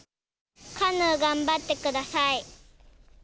カヌー頑張ってください。